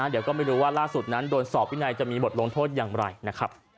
เดี๋ยวก็ไม่รู้ว่าล่าสุดนั้นโดนสอบวินัยจะมีบทลงโทษอย่างไรนะครับ